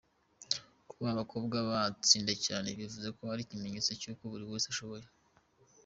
Kuba abakobwa batsinze cyane, yavuze ko ari ikimenyetso cy’uko buri wese ashoboye.